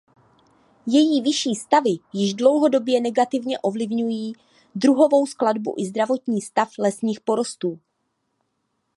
Její vyšší stavy již dlouhodobě negativně ovlivňují druhovou skladbu i zdravotní stav lesních porostů.